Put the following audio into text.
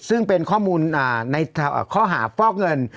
ซึ่งเป็นข้อมูลในข้อหาฟอกเงิน